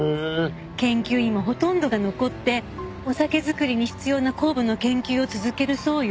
研究員もほとんどが残ってお酒造りに必要な酵母の研究を続けるそうよ。